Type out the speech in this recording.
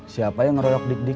siapa yang ngeroyok dik dik